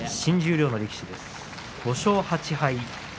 ５勝８敗